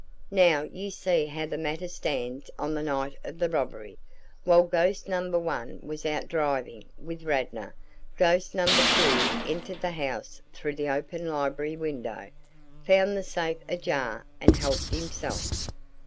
"Now you see how the matter stands on the night of the robbery. While ghost number one was out driving with Radnor, ghost number two entered the house through the open library window, found the safe ajar and helped himself.